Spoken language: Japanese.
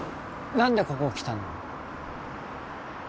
何でここ来たの？